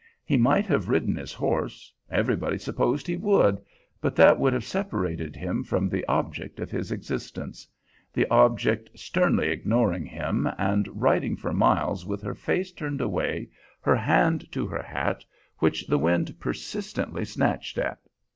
He might have ridden his horse everybody supposed he would; but that would have separated him from the object of his existence; the object sternly ignoring him, and riding for miles with her face turned away, her hand to her hat, which the wind persistently snatched at.